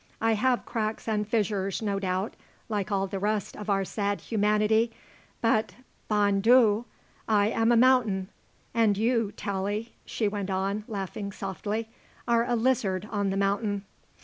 I have cracks and fissures, no doubt, like all the rest of our sad humanity; but, bon Dieu! I am a mountain, and you, Tallie," she went on, laughing softly, "are a lizard on the mountain.